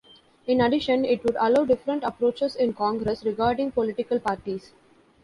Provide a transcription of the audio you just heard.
In addition, it would allow different approaches in congress, regarding political parties.